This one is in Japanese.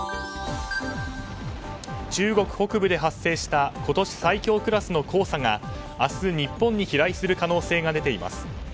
中国北部で発生した今年最強クラスの黄砂が明日、日本に飛来する可能性が出ています。